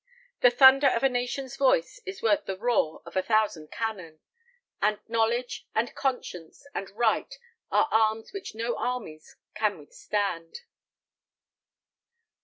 The thunder of a nation's voice is worth the roar of a thousand cannon; and knowledge, and conscience, and right, are arms which no armies can withstand."